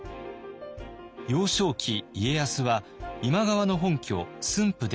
幼少期家康は今川の本拠駿府で育ちました。